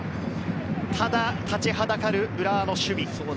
ただ立ちはだかる浦和の守備。